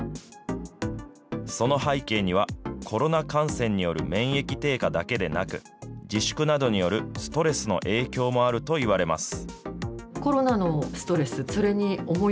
その背景には、コロナ感染による免疫低下だけでなく、自粛などによるストレスの影響もあるといわれます。